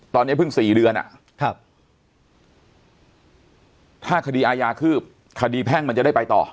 ตอนนี้เพิ่ง๔เดือนถ้าคดีอายาคืบคดีแพ่งมันจะได้ไปต่อ